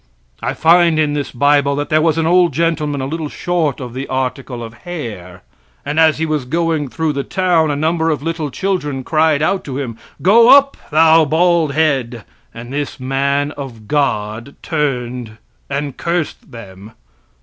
I find in this bible that there was an old gentleman a little short of the article of hair. And as he was going through the town a number of little children cried out to him "Go up, thou bald head!" And this man of God turned and cursed them.